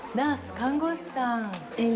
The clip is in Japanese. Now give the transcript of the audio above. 看護師さん。